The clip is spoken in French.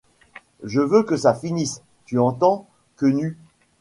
Je veux que ça finisse, tu entends, Quenu?